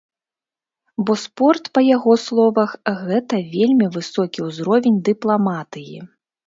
Бо спорт, па яго словах, гэта вельмі высокі ўзровень дыпламатыі.